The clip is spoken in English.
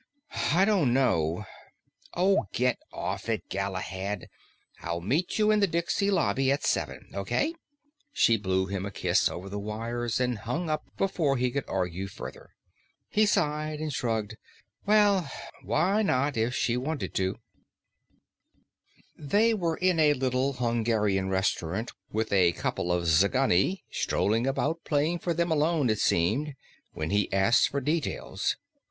"I dunno " "Oh, get off it, Galahad. I'll meet you in the Dixie lobby at seven. Okay?" She blew him a kiss over the wires, and hung up before he could argue further. He sighed and shrugged. Why not, if she wanted to? They were in a little Hungarian restaurant, with a couple of Tzigani strolling about playing for them alone, it seemed, when he asked for details.